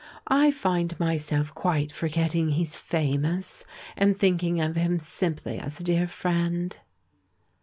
I find myself quite for getting he's famous, and thinking of him simply as a dear friend."